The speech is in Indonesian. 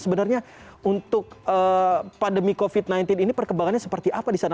sebenarnya untuk pandemi covid sembilan belas ini perkembangannya seperti apa di sana